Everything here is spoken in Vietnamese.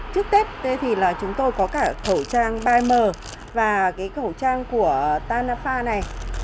trước tết thì là chúng tôi có cả khẩu trang ba m và cái khẩu trang của tanafa này